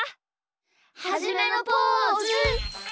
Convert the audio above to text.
はじめのポーズ！